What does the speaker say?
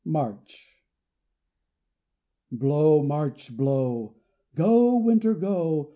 MARCH Blow, March, blow! Go, Winter, go!